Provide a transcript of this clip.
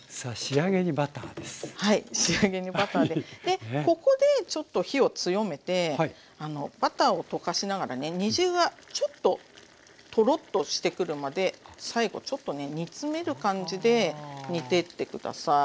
でここでちょっと火を強めてバターを溶かしながらね煮汁がちょっとトロッとしてくるまで最後ちょっとね煮詰める感じで煮てって下さい。